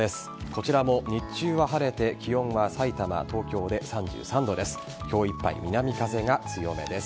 こちらも日中は晴れて気温はさいたま、東京で３３度です。